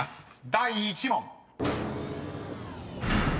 第１問］